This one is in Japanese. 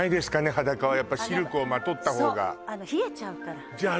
裸はやっぱシルクをまとった方がそう冷えちゃうからじゃあ